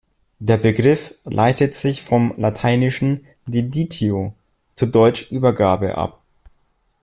Der Begriff leitet sich vom lateinischen "deditio", zu Deutsch Übergabe, ab.